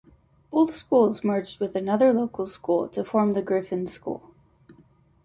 Both schools merged with another local school to form The Gryphon School.